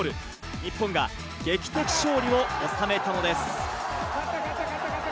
日本が劇的勝利を収めたのです。